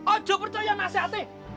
aku percaya nasihatnya